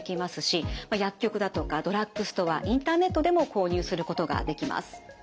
薬局だとかドラッグストアインターネットでも購入することができます。